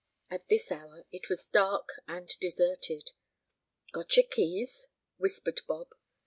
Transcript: At this hour it was dark and deserted. "Got your keys?" whispered Bob.